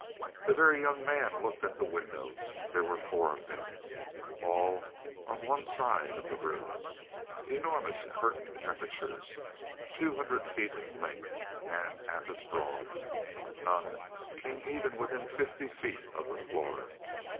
The Very Young Man looked at the windows. There were four of them, all on one side of the room enormous curtained apertures, two hundred feet in length and half as broad but none came even within fifty feet of the floor.